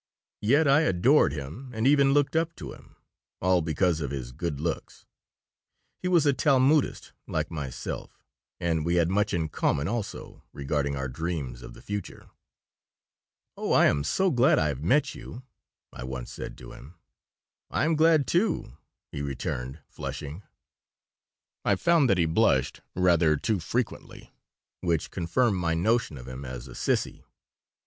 Yet I adored him, and even looked up to him, all because of his good looks He was a Talmudist like myself, and we had much in common, also, regarding our dreams of the future "Oh, I am so glad I have met you," I once said to him "I am glad, too," he returned, flushing I found that he blushed rather too frequently, which confirmed my notion of him as a sissy.